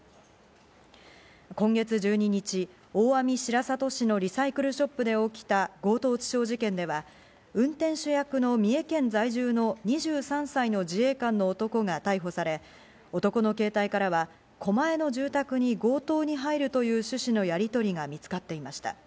今月１２日、大網白里市のリサイクルショップで起きた強盗致傷事件では、運転手役の三重県在住の２３歳の自衛官の男が逮捕され、男の携帯からは、狛江の住宅に強盗に入るという趣旨のやりとりが見つかっていました。